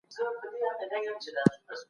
په تېر تاريخ کي ډېرې کليمې ماتې سوې دي.